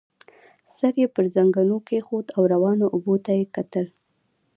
سر يې پر زنګنو کېښود او روانو اوبو ته يې کتل.